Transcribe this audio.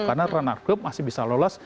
karena runner up group masih bisa lolos